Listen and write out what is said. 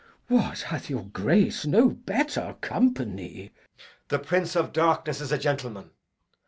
What, hath your Grace no better company? Edg. The prince of darkness is a gentleman!